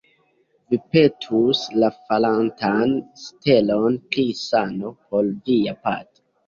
Vi petus la falantan stelon pri sano por via patro.